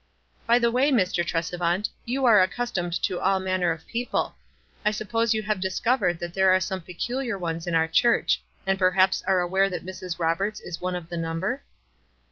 "By the way, Mr. Tresevant, you are accus tomed to all manner of people. I suppose you have discovered that there are some peculiar ones in our church ; and perhaps are aware that Mrs. Roberts is one of the number?"